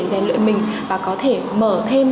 giải lợi mình và có thể mở thêm